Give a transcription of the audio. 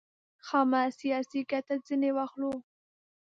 خامه سیاسي ګټه ځنې واخلو.